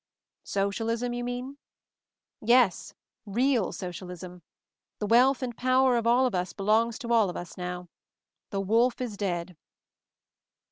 "Socialism, you mean?" "Yes, real socialism. The wealth and , power of all of us belongs to all of us now. \ The Wolf is dead."